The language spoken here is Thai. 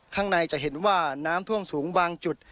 ข้างในจะเห็นว่าน้ำท่วมสูงบางจุด